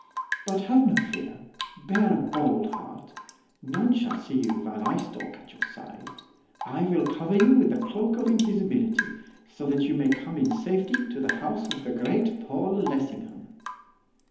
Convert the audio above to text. But have no fear; bear a bold heart. None shall see you while I stalk at your side. I will cover you with the cloak of invisibility, so that you may come in safety to the house of the great Paul Lessingham.